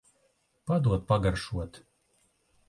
Padod pagaršot.